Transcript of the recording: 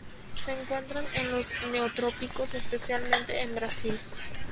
Se encuentran en los Neotrópicos especialmente en Brasil.